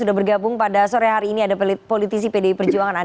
dewan kehormatan dpp pdi perjuangan